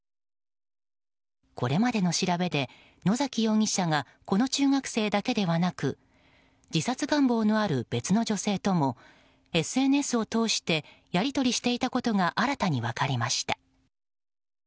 これまでの調べで野崎容疑者がこの中学生だけではなく自殺願望のある別の女性ともＳＮＳを通してやりとりしていたことが新たに分かりました。